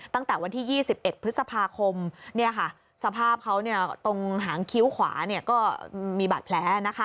ตั้งแต่วันที่๒๑พฤษภาคมเนี่ยค่ะสภาพเขาเนี่ยตรงหางคิ้วขวาเนี่ยก็มีบัตรแผลนะคะ